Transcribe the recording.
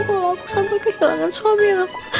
kalau aku sampai kehilangan suami yang aku